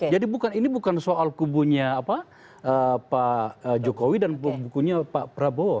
jadi ini bukan soal kubunya pak jokowi dan bukunya pak prabowo